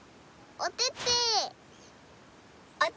おてて！